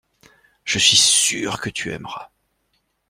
Je suis sûr que tu aimeras.